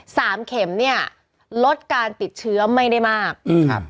สามเข็มเนี้ยลดการติดเชื้อไม่ได้มากอืมครับ